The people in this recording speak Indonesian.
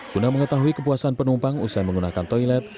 guna mengetahui kepuasan penumpang usai menggunakan toilet